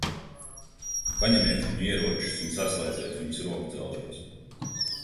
Paņemiet viņu ieročus un saslēdziet viņus rokudzelžos.